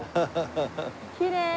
きれい！